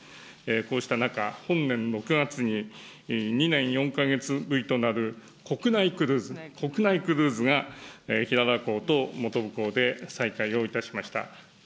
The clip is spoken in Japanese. こうした中、本年６月に、２年４か月ぶりとなる国内クルーズ、国内クルーズが港ともとぶ港で再開をいたしました。